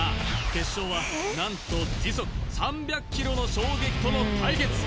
決勝は何と時速３００キロの衝撃との対決